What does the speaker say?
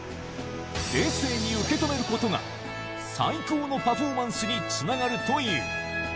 冷静に受け止めることが、最高のパフォーマンスにつながるという。